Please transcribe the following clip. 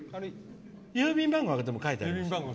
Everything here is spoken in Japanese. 郵便番号は書いてありますよ。